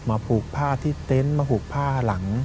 ผูกผ้าที่เต็นต์มาผูกผ้าหลัง